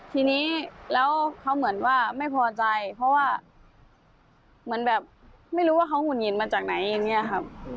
ทีนี้แล้วเขาเหมือนว่าไม่พอใจเพราะว่าเหมือนแบบไม่รู้ว่าเขาหุ่นหงิดมาจากไหนอย่างนี้ครับ